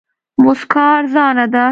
موسکا ارزانه ده.